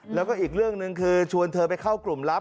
และอีกเรื่องนึงคือชวนไปเข้ากลุ่มลับ